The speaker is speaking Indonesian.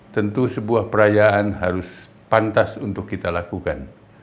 tentu sebuah perayaan harus pantas untuk kita lakukan